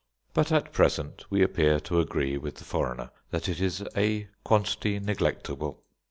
But at present we appear to agree with the foreigner that it is a quantity neglectable.